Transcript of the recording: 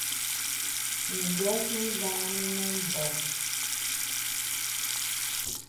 Mìm bìàs mìbàà mìnə bɔ̄m.